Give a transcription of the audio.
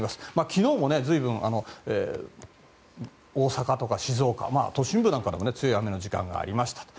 昨日も随分、大阪とか静岡や都心部なんかでも強い雨の時間がありました。